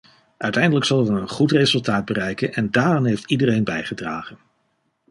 Uiteindelijk zullen we een goed resultaat bereiken en daaraan heeft iedereen bijgedragen.